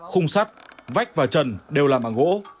khung sắt vách và trần đều làm bằng gỗ